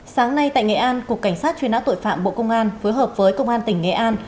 sáng nay tại nghệ an cục cảnh sát truy nã tội phạm bộ công an phối hợp với công an tỉnh nghệ an